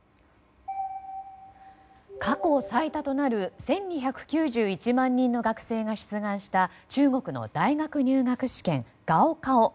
過去最多となる１２９１万人の学生が出願した中国の大学入学試験、高考。